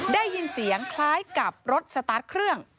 ได้ยินเสียงคล้ายกับรถสตาร์ทเครื่อง